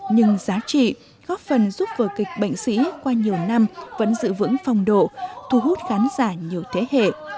nhưng giá trị góp phần giúp vờ kịch bệnh sĩ qua nhiều năm vẫn giữ vững phong độ thu hút khán giả nhiều thế hệ